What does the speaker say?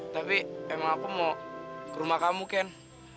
tapi emang aku mau ke rumah kamu ken